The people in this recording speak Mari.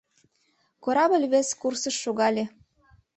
Корабль вес курсыш шогале.